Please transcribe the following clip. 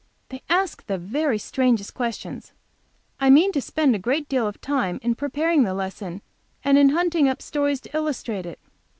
They ask the very strangest questions I mean to spend a great deal of time in preparing the lesson, and in hunting up stories to illustrate it.